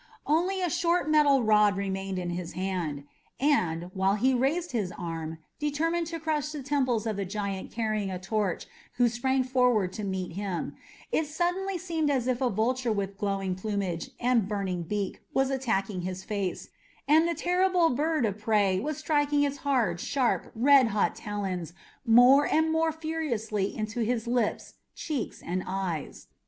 Only a short metal rod remained in his hand, and, while he raised his arm, determined to crush the temples of the giant carrying a torch who sprang forward to meet him, it suddenly seemed as if a vulture with glowing plumage and burning beak was attacking his face, and the terrible bird of prey was striking its hard, sharp, red hot talons more and more furiously into his lips, cheeks, and eyes.